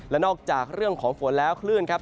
และนอกจากเรื่องของฝนแล้วคลื่นครับ